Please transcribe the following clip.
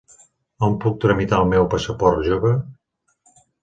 On puc tramitar el meu passaport jove?